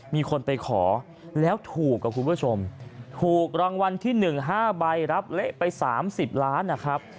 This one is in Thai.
มีคนไปขอแล้วถูกกับคุณผู้ชมถูกรางวัลที่๑๕ใบรับเละไป๓๐ล้านนะครับ